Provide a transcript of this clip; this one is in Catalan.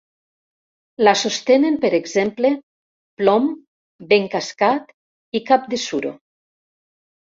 La sostenen, per exemple, Plom, Ben Cascat i Cap de Suro